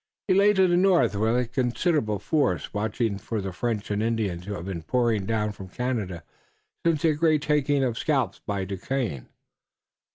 "He lay to the north with a considerable force, watching for the French and Indians who have been pouring down from Canada since their great taking of scalps by Duquesne.